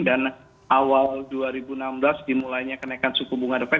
dan awal dua ribu enam belas dimulainya kenaikan suku bunga the fed